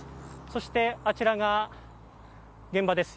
そして、あちらが現場です。